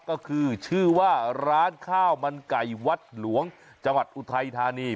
ก็คือชื่อว่าร้านข้าวมันไก่วัดหลวงจังหวัดอุทัยธานี